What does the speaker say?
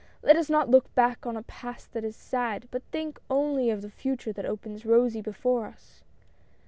Let us not look back on a Past that is sad, but think only of the Future that opens rosy before us."